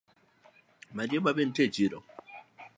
Marieba be nitie echiro?